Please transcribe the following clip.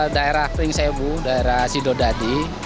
daerah pringsebu daerah sidodadi